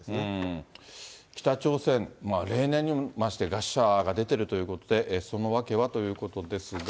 北朝鮮、例年にも増して餓死者が出てるということで、その訳はということですが。